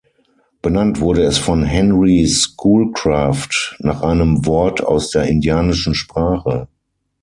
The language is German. Benannt wurde es von Henry Schoolcraft nach einem Wort aus der indianischen Sprache.